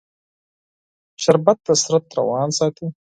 شربت د بدن روان ساتي